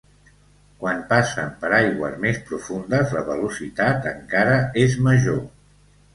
Quan passen per aigües més profundes, la velocitat encara és major.